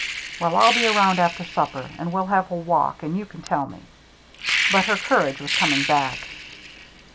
"Well, I'll be around after supper, and we'll take a walk, and you can tell me." But her courage was coming back.